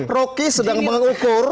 rocky sedang mengukur